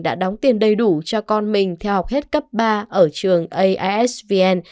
đã đóng tiền đầy đủ cho con mình theo học hết cấp ba ở trường aisvn